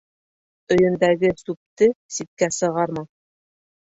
Өйөндәге сүпте ситкә сығарма.